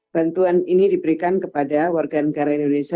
bantuan ini diberikan kepada warga negara indonesia